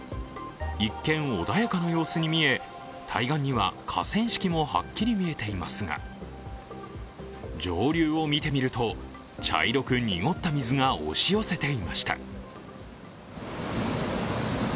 一見、穏やかな様子に見え、対岸には河川敷もはっきり見えていますが、上流を見てみると、茶色く濁った水が押し寄せていました。